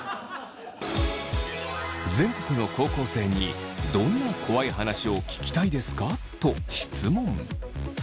全国の高校生に「どんな怖い話を聞きたいですか？」と質問。